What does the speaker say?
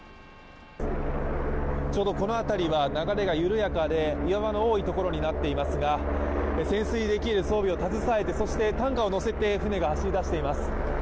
ちょうどこの辺りは流れが緩やかで岩場が多いところになっていますが潜水できる装備を携えてそして担架を載せて舟が走り出しています。